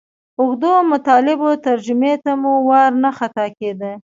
اوږدو مطالبو ترجمې ته مو وار نه خطا کېدئ.